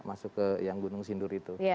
masuk ke yang gunung sindur itu